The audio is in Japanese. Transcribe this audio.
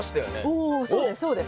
おそうですそうです。